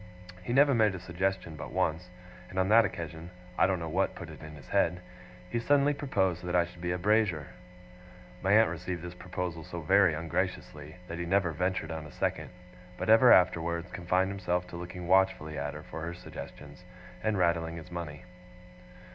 He never made a suggestion but once; and on that occasion (I don't know what put it in his head), he suddenly proposed that I should be 'a Brazier'. My aunt received this proposal so very ungraciously, that he never ventured on a second; but ever afterwards confined himself to looking watchfully at her for her suggestions, and rattling his money.